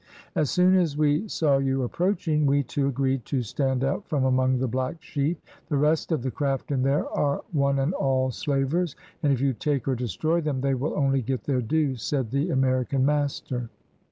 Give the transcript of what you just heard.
"As soon as we saw you approaching, we two agreed to stand out from among the black sheep. The rest of the craft in there are one and all slavers, and if you take or destroy them they will only get their due," said the American master.